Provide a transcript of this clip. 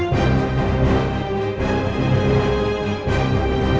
tidak tidak mungkin